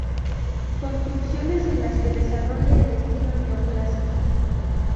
Construcciones en las que desarrolla el estilo neoclásico.